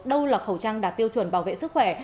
đâu là khẩu trang đạt tiêu chuẩn bảo vệ sức khỏe